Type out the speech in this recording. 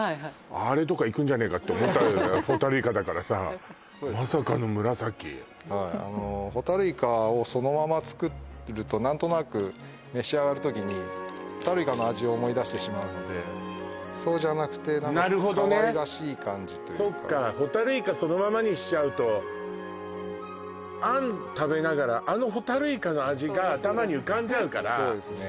あれとかいくんじゃねえかって思ったホタルイカだからさそうですねまさかの紫ホタルイカをそのまま作ると何となく召し上がる時にホタルイカの味を思い出してしまうのでそうじゃなくてかわいらしい感じというかそっかホタルイカそのままにしちゃうとあん食べながらあのホタルイカの味が頭に浮かんじゃうからそうですね